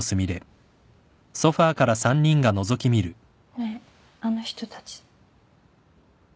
ねえあの人たち。